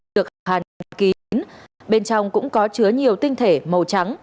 được hàn kín bên trong cũng có chứa nhiều tinh thể màu trắng